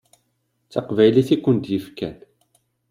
D taqbaylit i ken-id-yefkan.